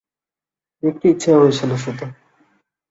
দেখতে ইচ্ছা হয়েছিল শুধু।